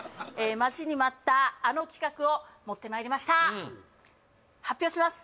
待ちに待ったあの企画を持ってまいりました発表します